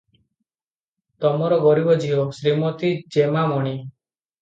ତମର ଗରିବ ଝିଅ, ଶ୍ରୀମତୀ ଜେମାମଣି